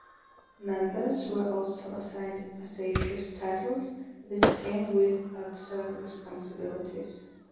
Members were also assigned facetious titles that came with absurd responsibilities.